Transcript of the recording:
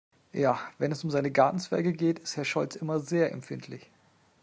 Ja, wenn es um seine Gartenzwerge geht, ist Herr Scholz immer sehr empfindlich.